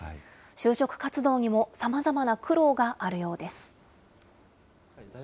就職活動にもさまざまな苦労があるようです。